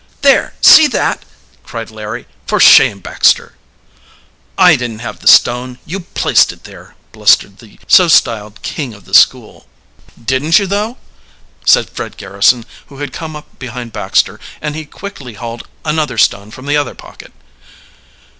"There, see that!" cried Larry. "For shame, Baxter!" "I didn't have the stone you placed it there!" blustered the so styled king of the school. "Didn't you though?" said Fred Garrison, who had also come up behind Baxter, and he quickly hauled another stone from the other pocket.